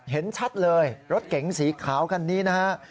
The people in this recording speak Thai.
เห็นชัดเลยรถเก๋งสีขาวคันนี้นะฮะ